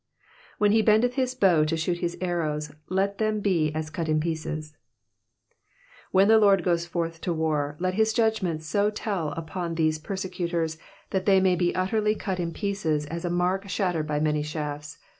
''When he l>endeth his bow to shoot his arrows, let them he as cut in pieces.''^ When the Lord goes forth to war, let his judgments so tell upon these persecutors that they may be utterly cut in pieces as a mark shattered by many shafts.